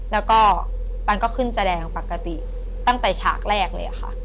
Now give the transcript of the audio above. แล้วก็ปันก็ขึ้นแสดงปกติตั้งแต่ฉากแรกเลยค่ะ